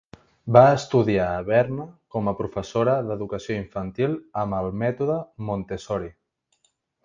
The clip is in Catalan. Va estudiar a Berna com a professora d'educació infantil amb el mètode Montessori.